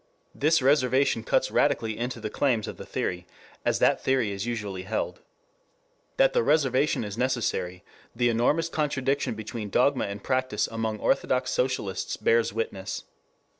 This reservation cuts radically into the claims of the theory as that theory is usually held. That the reservation is necessary, the enormous contradiction between dogma and practice among orthodox socialists bears witness.